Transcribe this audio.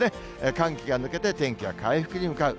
寒気が抜けて、天気が回復に向かう。